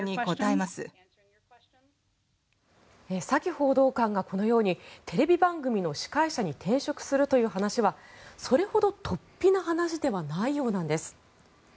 サキ報道官がこのようにテレビ番組の司会者に転職するという話はそれほどとっぴな話ではないようなんです。